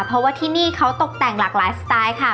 เพราะว่าที่นี่เขาตกแต่งหลากหลายสไตล์ค่ะ